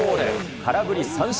空振り三振。